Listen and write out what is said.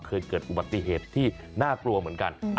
เคยเกิดอุบัติเหตุที่น่ากลัวเหมือนกัน